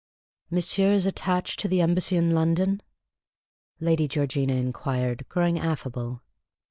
"Monsieur is attached to the Embassy in I^ondon ?" Lady Georgina inquired, growing affable.